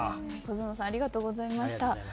小園さんありがとうございました。